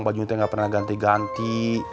bajunya nggak pernah ganti ganti